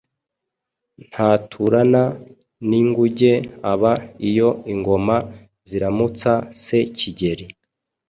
Ntaturana n'ingunge Aba iyo ingoma ziramutsa se Kigeli